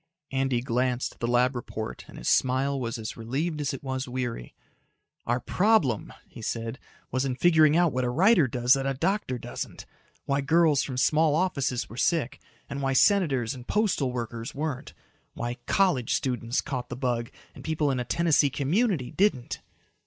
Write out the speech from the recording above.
Andy glanced at the lab report and his smile was as relieved as it was weary. "Our problem," he said, "was in figuring out what a writer does that a doctor doesn't why girls from small offices were sick and why senators and postal workers weren't why college students caught the bug and people in a Tennessee community didn't.